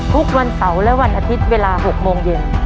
ทุกวันเสาร์และวันอาทิตย์เวลา๖โมงเย็น